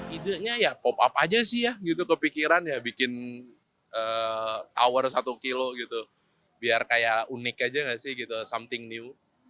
idenya ya pop up aja sih ya gitu kepikiran ya bikin tower satu kilo gitu biar kayak unik aja gak sih gitu something new